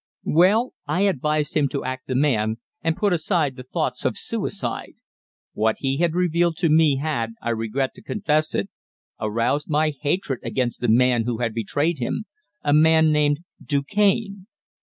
Well, I advised him to act the man, and put aside the thoughts of suicide. What he had revealed to me had I regret to confess it aroused my hatred against the man who had betrayed him a man named Du Cane.